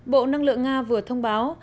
bộ năng lượng nga vừa thông báo